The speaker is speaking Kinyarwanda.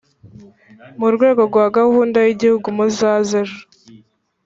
mu rwego rwa Gahunda y Igihugu muzaze ejo